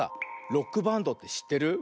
ロックバンドってしってる？